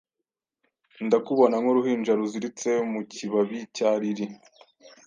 Ndakubona nk'uruhinja ruziritse mu kibabi cya Lili